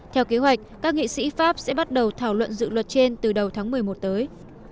theo kế hoạch các nghị sĩ pháp sẽ bắt đầu thảo luận dự luật trên từ đầu tháng một mươi một tới